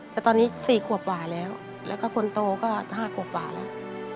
แต่ตอนนี้๔ขวบกว่าแล้วแล้วก็คนโตก็๕ขวบกว่าแล้ว